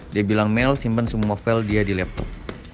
dia bilang mel simpen semua novel dia di laptop